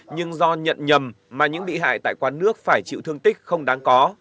nhưng do nhận nhầm mà những bị hại tại quán nước phải chịu thương tích không đáng có